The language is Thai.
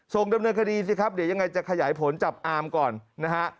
ส่งดำเนินคดีสิครับเดี๋ยวยังไงจะขยายผลจับอามก่อนนะฮะ